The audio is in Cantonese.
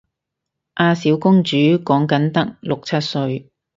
阿小公主講緊得六七歲